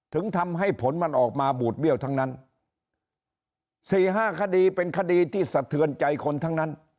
ถึงทำให้ผลมันออกมาบูดเบี้ยวทั้งนั้นสี่ห้าคดีเป็นคดีที่สะเทือนใจคนทั้งนั้น